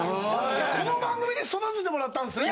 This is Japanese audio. この番組に育ててもらったんですね。